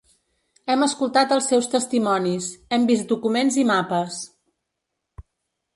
Hem escoltat els seus testimonis, hem vist documents i mapes.